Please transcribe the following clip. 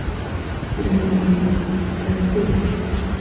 Kiramuruzi (Gatsibo)